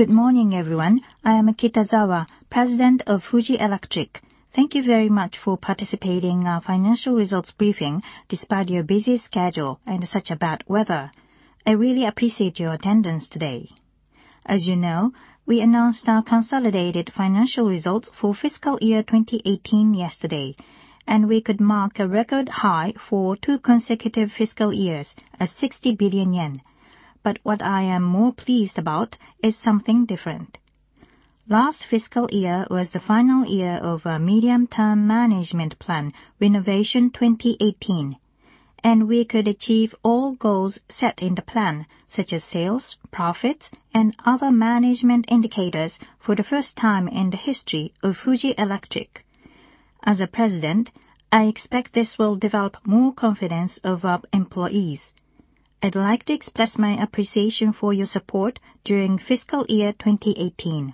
Good morning, everyone. I am Kitazawa, President of Fuji Electric. Thank you very much for participating in our financial results briefing despite your busy schedule and such bad weather. I really appreciate your attendance today. As you know, we announced our consolidated financial results for fiscal year 2018 yesterday, and we could mark a record high for two consecutive fiscal years at 60 billion yen. What I am more pleased about is something different. Last fiscal year was the final year of our medium-term management plan, Renovation 2018, and we could achieve all goals set in the plan, such as sales, profits, and other management indicators for the first time in the history of Fuji Electric. As a president, I expect this will develop more confidence of our employees. I'd like to express my appreciation for your support during fiscal year 2018.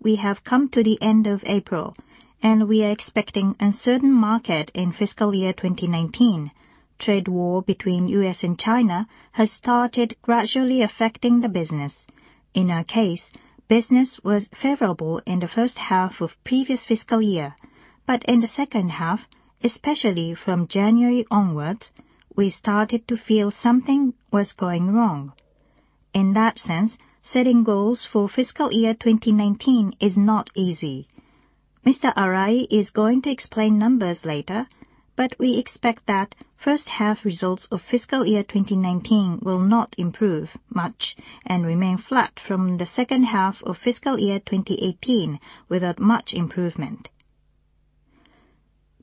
We have come to the end of April, and we are expecting uncertain market in fiscal year 2019. Trade war between U.S. and China has started gradually affecting the business. In our case, business was favorable in the first half of previous fiscal year, but in the second half, especially from January onwards, we started to feel something was going wrong. In that sense, setting goals for fiscal year 2019 is not easy. Mr. Arai is going to explain numbers later, but we expect that first half results of fiscal year 2019 will not improve much and remain flat from the second half of fiscal year 2018 without much improvement.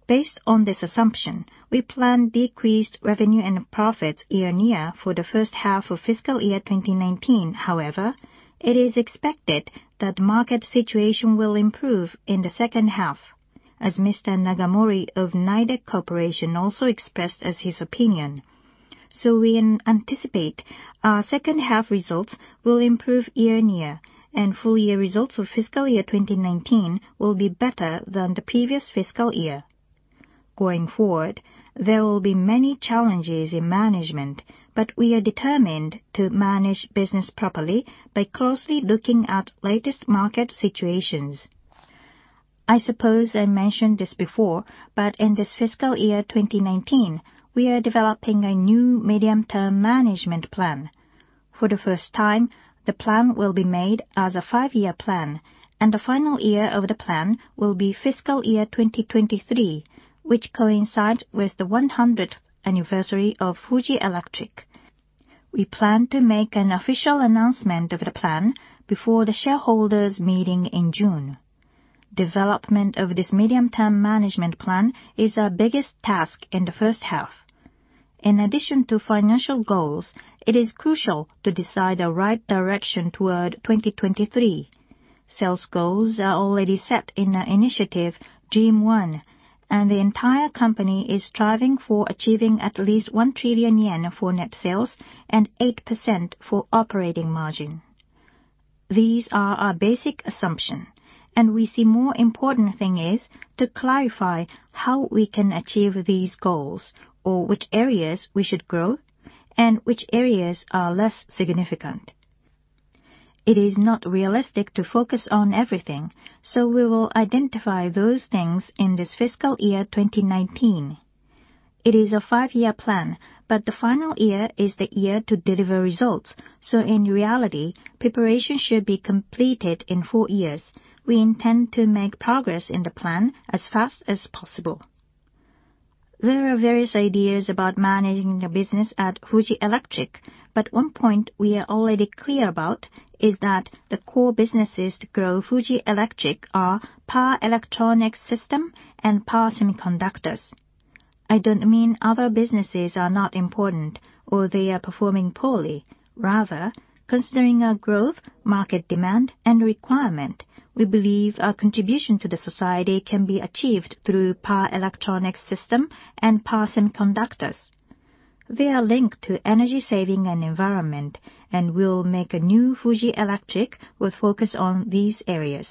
Based on this assumption, we plan decreased revenue and profits year-on-year for the first half of fiscal year 2019. It is expected that market situation will improve in the second half, as Mr. Nagamori of Nidec Corporation also expressed as his opinion. We anticipate our second-half results will improve year-on-year, and full-year results of fiscal year 2019 will be better than the previous fiscal year. Going forward, there will be many challenges in management, but we are determined to manage business properly by closely looking at latest market situations. I suppose I mentioned this before, but in this fiscal year 2019, we are developing a new medium-term management plan. For the first time, the plan will be made as a five-year plan, and the final year of the plan will be fiscal year 2023, which coincides with the 100th anniversary of Fuji Electric. We plan to make an official announcement of the plan before the shareholders meeting in June. Development of this medium-term management plan is our biggest task in the first half. In addition to financial goals, it is crucial to decide the right direction toward 2023. Sales goals are already set in our initiative Dream One, and the entire company is striving for achieving at least 1 trillion yen for net sales and 8% for operating margin. These are our basic assumption, and we see more important thing is to clarify how we can achieve these goals, or which areas we should grow and which areas are less significant. It is not realistic to focus on everything, so we will identify those things in this fiscal year 2019. It is a five-year plan, but the final year is the year to deliver results. In reality, preparation should be completed in four years. We intend to make progress in the plan as fast as possible. There are various ideas about managing the business at Fuji Electric, but one point we are already clear about is that the core businesses to grow Fuji Electric are Power Electronic Systems and Power Semiconductors. I do not mean other businesses are not important or they are performing poorly. Rather, considering our growth, market demand, and requirement, we believe our contribution to the society can be achieved through Power Electronic Systems and Power Semiconductors. They are linked to energy saving and environment, and will make a new Fuji Electric with focus on these areas.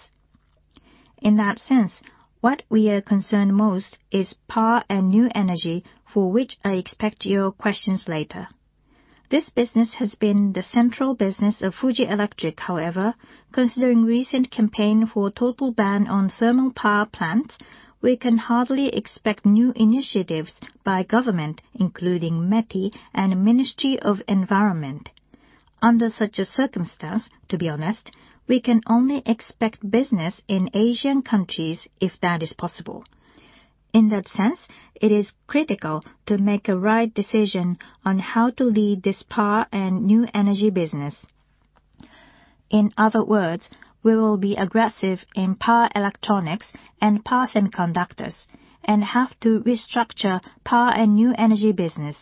In that sense, what we are concerned most about is Power and New Energy, for which I expect your questions later. This business has been the central business of Fuji Electric. However, considering recent campaign for total ban on thermal power plants, we can hardly expect new initiatives by government, including METI and Ministry of the Environment. Under such a circumstance, to be honest, we can only expect business in Asian countries, if that is possible. In that sense, it is critical to make a right decision on how to lead this Power and New Energy business. In other words, we will be aggressive in Power Electronic Systems and Power Semiconductors and have to restructure Power and New Energy business.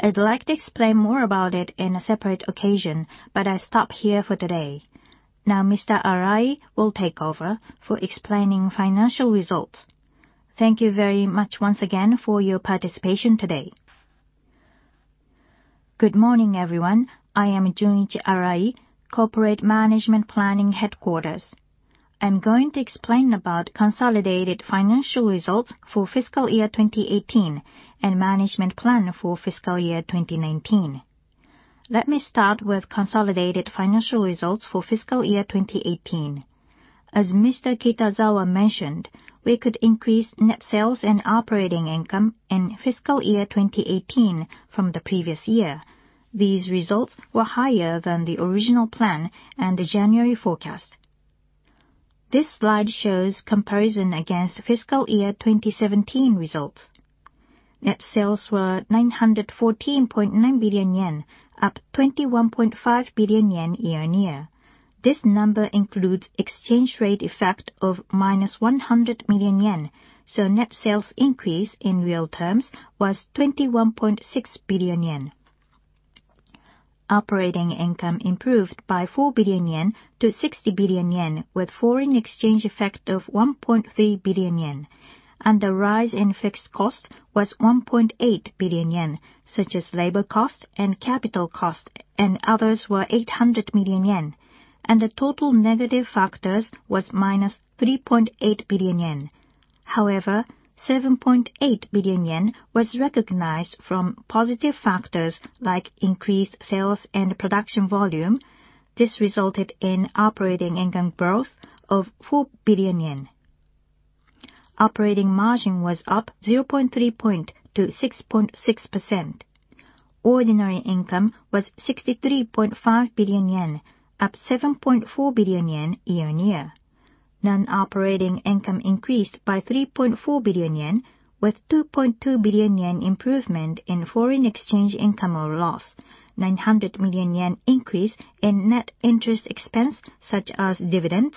I'd like to explain more about it on a separate occasion, but I stop here for today. Mr. Arai will take over for explaining financial results. Thank you very much once again for your participation today. Good morning, everyone. I am Junichi Arai, Corporate Management Planning Headquarters. I'm going to explain about consolidated financial results for fiscal year 2018 and management plan for fiscal year 2019. Let me start with consolidated financial results for fiscal year 2018. As Mr. Kitazawa mentioned, we could increase net sales and operating income in fiscal year 2018 from the previous year. These results were higher than the original plan and the January forecast. This slide shows comparison against fiscal year 2017 results. Net sales were 914.9 billion yen, up 21.5 billion yen year-on-year. This number includes exchange rate effect of minus 100 million yen, so net sales increase in real terms was 21.6 billion yen. Operating income improved by 4 billion yen to 60 billion yen with foreign exchange effect of 1.3 billion yen. The rise in fixed cost was 1.8 billion yen, such as labor cost and capital cost, and others were 800 million yen. The total negative factors was minus 3.8 billion yen. However, 7.8 billion yen was recognized from positive factors like increased sales and production volume. This resulted in operating income growth of 4 billion yen. Operating margin was up 0.3 point to 6.6%. Ordinary income was 63.5 billion yen, up 7.4 billion yen year-on-year. Non-operating income increased by 3.4 billion yen, with 2.2 billion yen improvement in foreign exchange income or loss, 900 million yen increase in net interest expense such as dividends,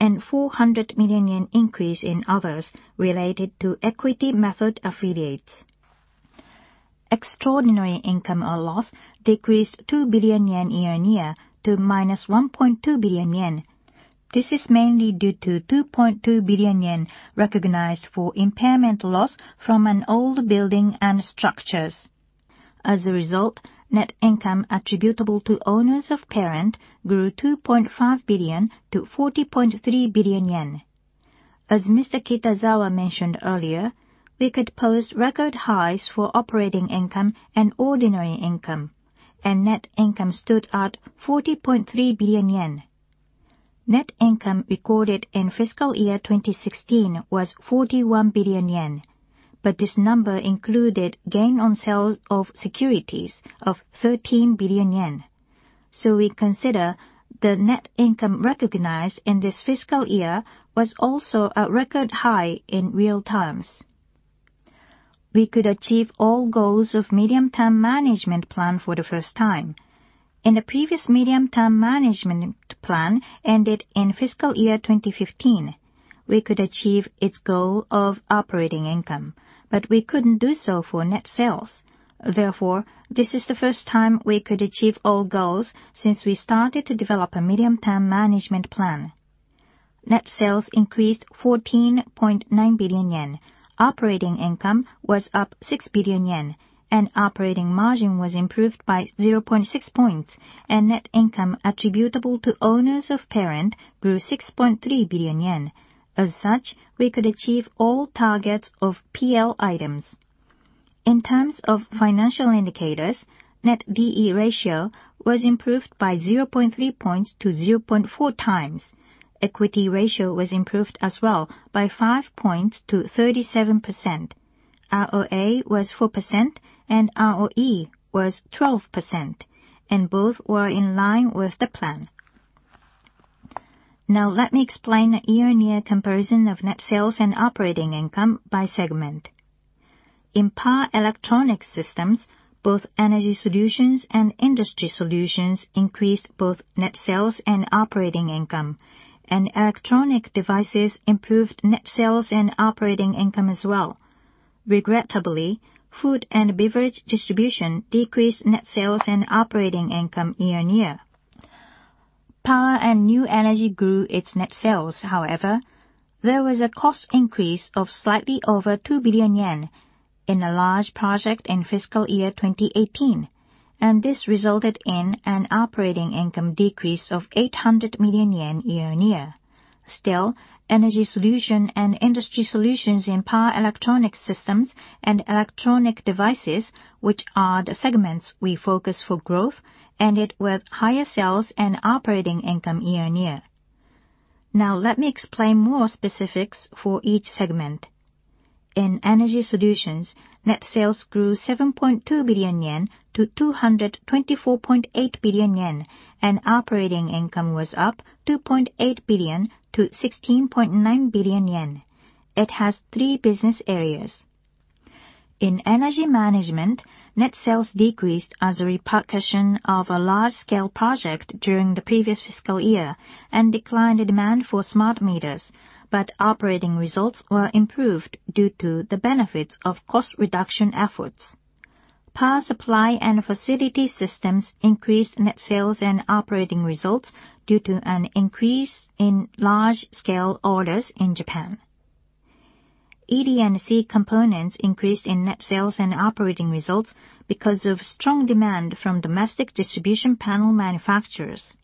and 400 million yen increase in others related to equity method affiliates. Extraordinary income or loss decreased 2 billion yen year-on-year to minus 1.2 billion yen. This is mainly due to 2.2 billion yen recognized for impairment loss from an old building and structures. As a result, net income attributable to owners of parent grew 2.5 billion to 40.3 billion yen. As Mr. Kitazawa mentioned earlier, we could post record highs for operating income and ordinary income, and net income stood at 40.3 billion yen. Net income recorded in fiscal year 2016 was 41 billion yen, but this number included gain on sales of securities of 13 billion yen. We consider the net income recognized in this fiscal year was also a record high in real terms. We could achieve all goals of medium-term management plan for the first time. In the previous medium-term management plan ended in fiscal year 2015, we could achieve its goal of operating income, we couldn't do so for net sales. This is the first time we could achieve all goals since we started to develop a medium-term management plan. Net sales increased 14.9 billion yen. Operating income was up 6 billion yen, operating margin was improved by 0.6 points, net income attributable to owners of parent grew 6.3 billion yen. We could achieve all targets of PL items. In terms of financial indicators, net D/E ratio was improved by 0.3 points to 0.4 times. Equity ratio was improved as well by 5 points to 37%. ROA was 4% and ROE was 12%, both were in line with the plan. Let me explain the year-on-year comparison of net sales and operating income by segment. In Power Electronic Systems, both Energy Solutions and Industry Solutions increased both net sales and operating income, Electronic Devices improved net sales and operating income as well. Food and Beverage Distribution decreased net sales and operating income year-on-year. Power and New Energy grew its net sales. There was a cost increase of slightly over 2 billion yen in a large project in fiscal year 2018, this resulted in an operating income decrease of 800 million yen year-on-year. Energy Solutions and Industry Solutions in Power Electronic Systems and Electronic Devices, which are the segments we focus for growth, ended with higher sales and operating income year-on-year. Let me explain more specifics for each segment. In Energy Solutions, net sales grew 7.2 billion yen to 224.8 billion yen, operating income was up 2.8 billion to 16.9 billion yen. It has three business areas. In Energy Management, net sales decreased as a repercussion of a large-scale project during the previous fiscal year and declined the demand for smart meters, operating results were improved due to the benefits of cost reduction efforts. Power Supply and Facility Systems increased net sales and operating results due to an increase in large-scale orders in Japan. ED&C components increased in net sales and operating results because of strong demand from domestic distribution panel manufacturers.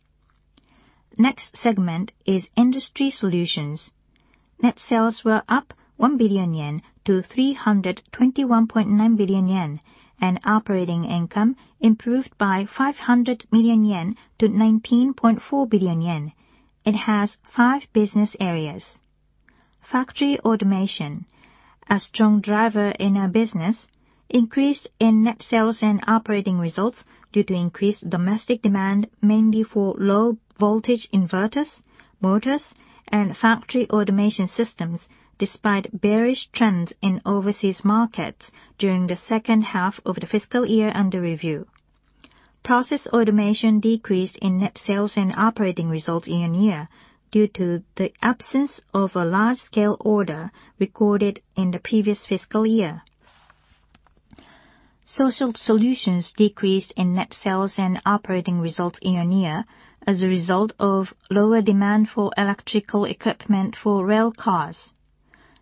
Next segment is Industry Solutions. Net sales were up 1 billion yen to 321.9 billion yen, operating income improved by 500 million yen to 19.4 billion yen. It has five business areas. Factory Automation, a strong driver in our business, increased in net sales and operating results due to increased domestic demand, mainly for low voltage inverters, motors, and Factory Automation systems, despite bearish trends in overseas markets during the second half of the fiscal year under review. Process Automation decreased in net sales and operating results year-on-year due to the absence of a large-scale order recorded in the previous fiscal year. Social Solutions decreased in net sales and operating results year-on-year as a result of lower demand for electrical equipment for rail cars.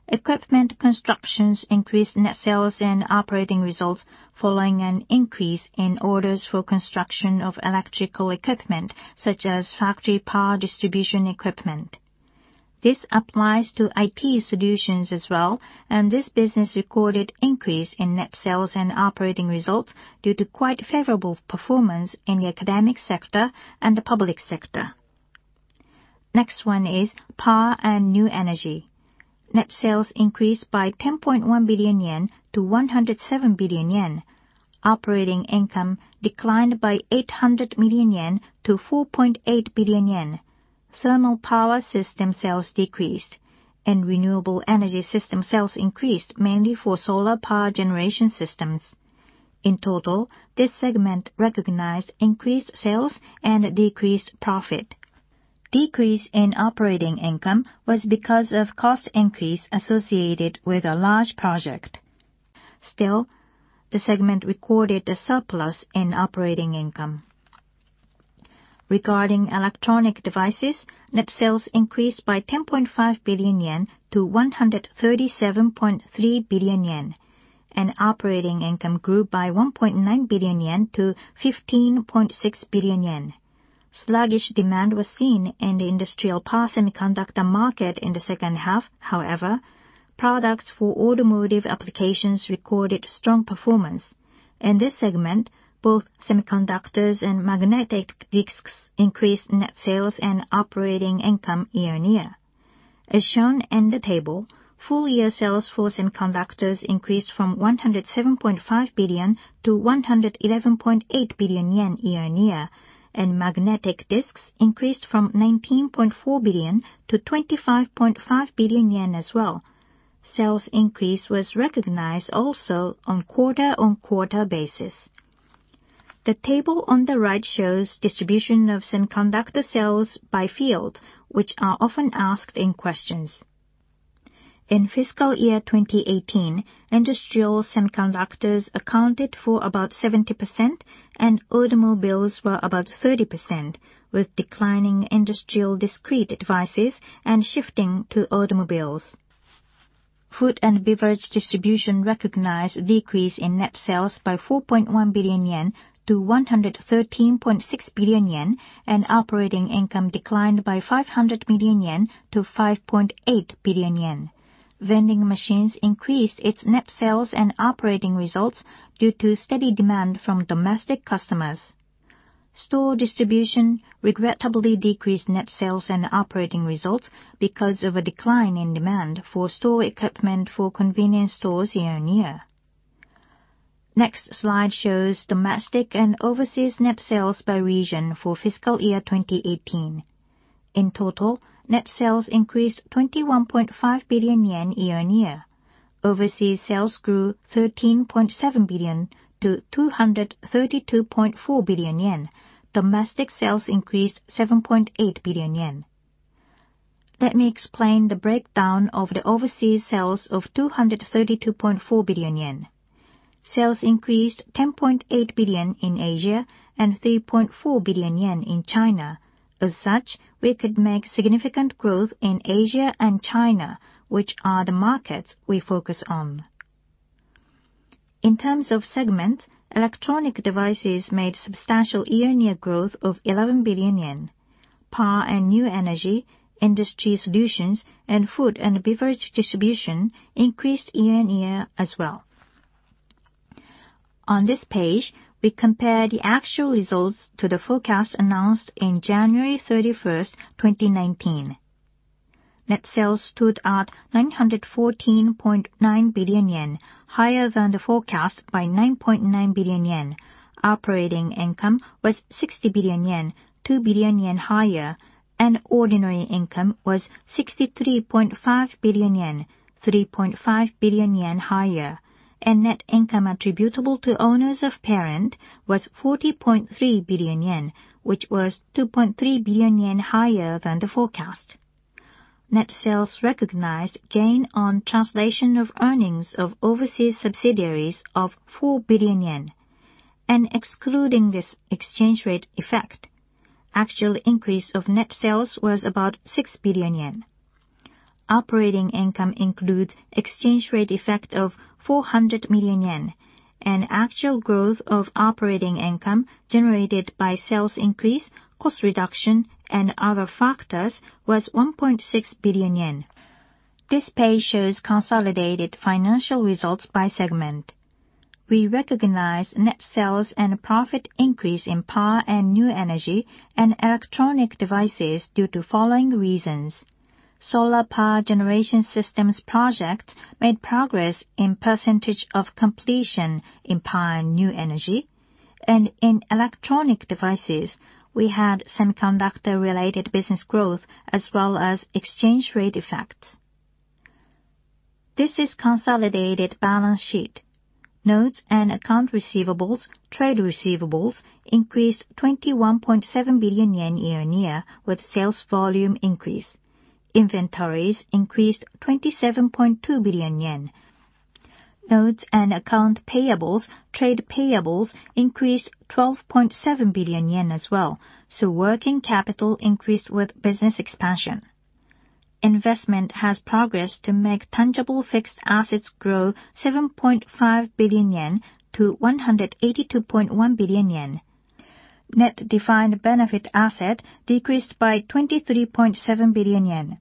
Equipment Construction increased net sales and operating results following an increase in orders for construction of electrical equipment such as factory power distribution equipment. This applies to IT Solutions as well. This business recorded increase in net sales and operating results due to quite favorable performance in the academic sector and the public sector. Next one is Power and New Energy. Net sales increased by 10.1 billion yen to 107 billion yen. Operating income declined by 800 million yen to 4.8 billion yen. Thermal power system sales decreased and renewable energy system sales increased mainly for solar power generation systems. In total, this segment recognized increased sales and decreased profit. Decrease in operating income was because of cost increase associated with a large project. Still, the segment recorded a surplus in operating income. Regarding Electronic Devices, net sales increased by 10.5 billion yen to 137.3 billion yen, and operating income grew by 1.9 billion yen to 15.6 billion yen. Sluggish demand was seen in the industrial power semiconductor market in the second half. However, products for automotive applications recorded strong performance. In this segment, both semiconductors and magnetic disks increased net sales and operating income year-on-year. As shown in the table, full year sales for semiconductors increased from 107.5 billion to 111.8 billion yen year-on-year, and magnetic disks increased from 19.4 billion to 25.5 billion yen as well. Sales increase was recognized also on quarter-on-quarter basis. The table on the right shows distribution of semiconductor sales by field, which are often asked in questions. In fiscal year 2018, industrial semiconductors accounted for about 70% and automobiles were about 30%, with declining industrial discrete devices and shifting to automobiles. Food and Beverage Distribution recognized decrease in net sales by 4.1 billion yen to 113.6 billion yen, and operating income declined by 500 million yen to 5.8 billion yen. Vending machines increased its net sales and operating results due to steady demand from domestic customers. Store Distribution regrettably decreased net sales and operating results because of a decline in demand for store equipment for convenience stores year-on-year. Next slide shows domestic and overseas net sales by region for fiscal year 2018. In total, net sales increased 21.5 billion yen year-on-year. Overseas sales grew 13.7 billion to 232.4 billion yen. Domestic sales increased 7.8 billion yen. Let me explain the breakdown of the overseas sales of 232.4 billion yen. Sales increased 10.8 billion in Asia and 3.4 billion yen in China. As such, we could make significant growth in Asia and China, which are the markets we focus on. In terms of segments, Electronic Devices made substantial year-on-year growth of 11 billion yen. Power and New Energy, Industry Solutions, and Food and Beverage Distribution increased year-on-year as well. On this page, we compare the actual results to the forecast announced on January 31st, 2019. Net sales stood at 914.9 billion yen, higher than the forecast by 9.9 billion yen. Operating income was 60 billion yen, 2 billion yen higher, and ordinary income was 63.5 billion yen, 3.5 billion yen higher. Net income attributable to owners of parent was 40.3 billion yen, which was 2.3 billion yen higher than the forecast. Net sales recognized gain on translation of earnings of overseas subsidiaries of 4 billion yen. Excluding this exchange rate effect, actual increase of net sales was about 6 billion yen. Operating income includes exchange rate effect of 400 million yen and actual growth of operating income generated by sales increase, cost reduction, and other factors was 1.6 billion yen. This page shows consolidated financial results by segment. We recognize net sales and profit increase in Power and New Energy and Electronic Devices due to following reasons: solar power generation systems projects made progress in percentage of completion in Power and New Energy, and in Electronic Devices, we had semiconductor-related business growth as well as exchange rate effects. This is consolidated balance sheet. Notes and account receivables, trade receivables increased 21.7 billion yen year-on-year with sales volume increase. Inventories increased 27.2 billion yen. Notes and account payables, trade payables increased 12.7 billion yen as well. Working capital increased with business expansion. Investment has progressed to make tangible fixed assets grow 7.5 billion yen to 182.1 billion yen. Net defined benefit asset decreased by 23.7 billion yen.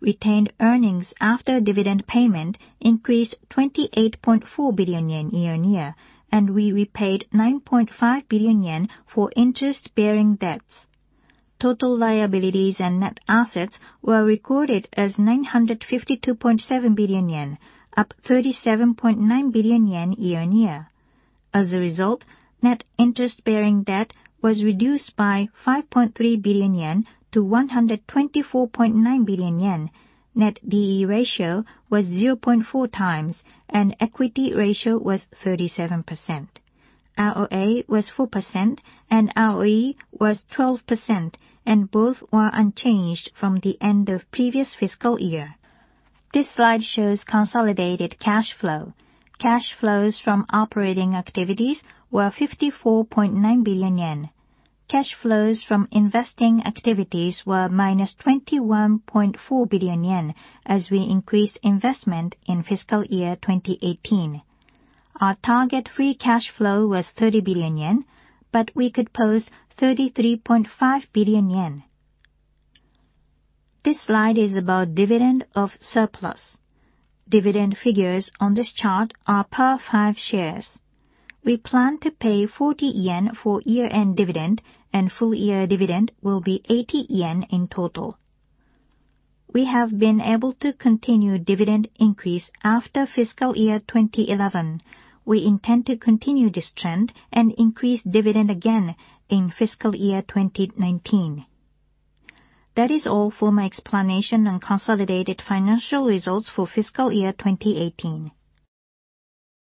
Retained earnings after dividend payment increased 28.4 billion yen year-on-year, we repaid 9.5 billion yen for interest-bearing debts. Total liabilities and net assets were recorded as 952.7 billion yen, up 37.9 billion yen year-on-year. As a result, net interest-bearing debt was reduced by 5.3 billion yen to 124.9 billion yen. Net D/E ratio was 0.4 times and equity ratio was 37%. ROA was 4% and ROE was 12%, both were unchanged from the end of previous fiscal year. This slide shows consolidated cash flow. Cash flows from operating activities were 54.9 billion yen. Cash flows from investing activities were minus 21.4 billion yen, as we increased investment in fiscal year 2018. Our target free cash flow was 30 billion yen, we could post 33.5 billion yen. This slide is about dividend of surplus. Dividend figures on this chart are per five shares. We plan to pay 40 yen for year-end dividend, full year dividend will be 80 yen in total. We have been able to continue dividend increase after fiscal year 2011. We intend to continue this trend, increase dividend again in fiscal year 2019. That is all for my explanation on consolidated financial results for fiscal year 2018.